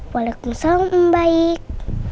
waalaikumsalam om baik